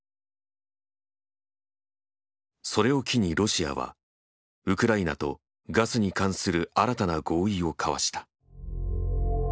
それを機にロシアはウクライナとガスに関する新たな合意を交わした。